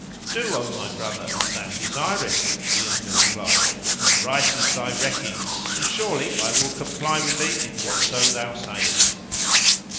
"Do, O my brother, as thou desirest," the younger replied, "for right is thy recking and surely I will comply with thee in whatso thou sayest."